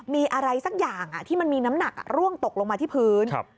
มีอะไรสักอย่างที่มันมีน้ำหนักร่วงตกลงมาที่พื้น